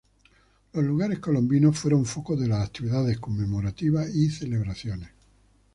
Los Lugares colombinos fueron foco de las actividades conmemorativas y celebraciones.